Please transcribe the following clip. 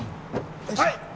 はい！